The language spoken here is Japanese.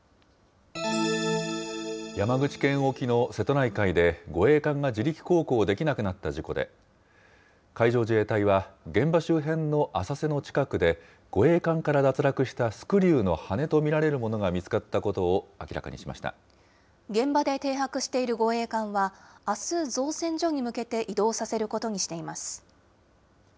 山口県沖の瀬戸内海で護衛艦が自力航行できなくなった事故で、海上自衛隊は現場周辺の浅瀬の近くで、護衛艦から脱落したスクリューの羽根と見られるものが見つかった現場で停泊している護衛艦は、あす、造船所に向けて移動させることにしています。